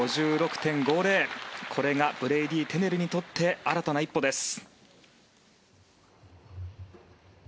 これがブレイディー・テネルにとって新たな一歩です。